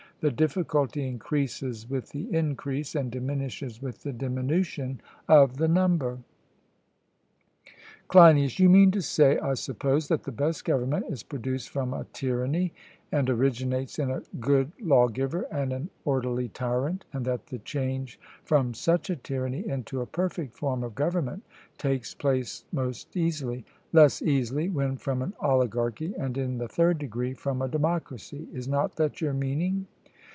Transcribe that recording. The difficulty increases with the increase, and diminishes with the diminution of the number. CLEINIAS: You mean to say, I suppose, that the best government is produced from a tyranny, and originates in a good lawgiver and an orderly tyrant, and that the change from such a tyranny into a perfect form of government takes place most easily; less easily when from an oligarchy; and, in the third degree, from a democracy: is not that your meaning?